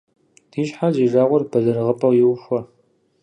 Ди щхьэр зи жагъуэр бэлырыгъыпӏэ иухуэ.